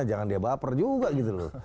jangan dia baper juga gitu loh